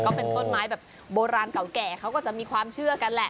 แบบโบราณเก่าแก่เขาก็จะมีความเชื่อกันแหละ